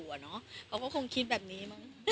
มีคิดชื่อไว้อย่างน้องกิริมโจมต่ำ